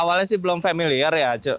awalnya sih belum familiar ya